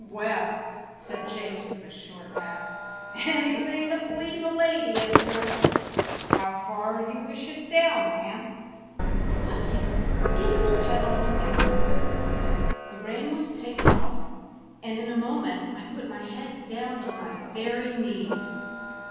"Well, well," said Jakes, with a short laugh, "anything to please a lady, of course. How far would you wish it down, ma'am?" "Quite down, give him his head altogether." The rein was taken off, and in a moment I put my head down to my very knees.